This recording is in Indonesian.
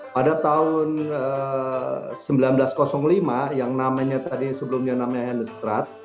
pada tahun seribu sembilan ratus lima yang namanya tadi sebelumnya namanya henestrat